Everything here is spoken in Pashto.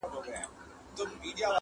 تر شهپر یې لاندي کړی سمه غر دی!!